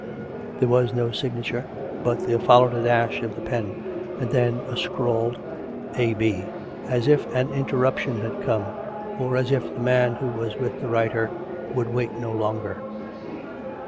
There was no signature, but there followed a dash of the pen, and then a scrawled " A. B.," as if an interruption had come, or as if the man who was with the writer would wait no longer.